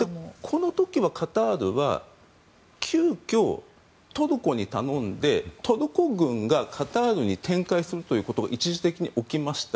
この時はカタールは急きょ、トルコに頼んでトルコ軍がカタールに展開するということが一時的に起きました。